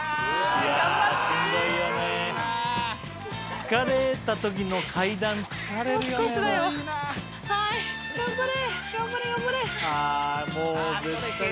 疲れた時の階段疲れるよね。